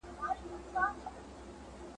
په نیژدې لیري ښارو کي آزمېیلی`